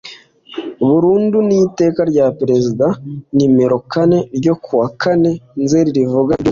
burundu n Iteka rya Perezida nimrero kane ryo ku wa kane nzeri rivuga ibyubutaka